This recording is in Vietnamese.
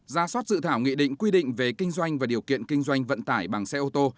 ra soát dự thảo nghị định quy định về kinh doanh và điều kiện kinh doanh vận tải bằng xe ô tô